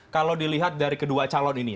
kalau dilihat dari kedua calon ini